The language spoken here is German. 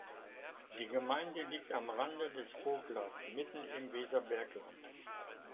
Die Gemeinde liegt am Rande des Voglers, mitten im Weserbergland.